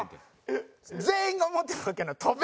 全員が思ってるわけなん？